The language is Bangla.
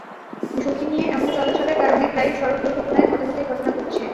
ঝুঁকি নিয়ে এমন চলাচলের কারণে প্রায়ই সড়ক দুর্ঘটনায় হতাহতের ঘটনা ঘটছে।